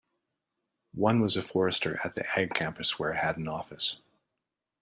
One was a forester at the Ag campus where I had an office.